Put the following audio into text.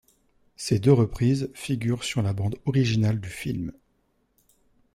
Ces deux reprises figurent sur la bande originale du film.